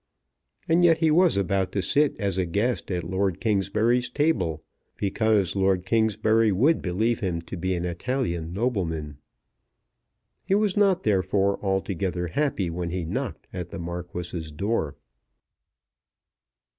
And yet he was about to sit as a guest at Lord Kingsbury's table, because Lord Kingsbury would believe him to be an Italian nobleman. He was not, therefore, altogether happy when he knocked at the Marquis's door.